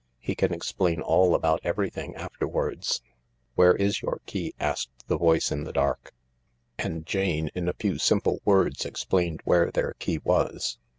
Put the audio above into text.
He can explain all about everything afterwards." " Where is your key ?" asked the voice in the dark. And m THE LARK 185 Jane, in a few simple words, explained where their key was.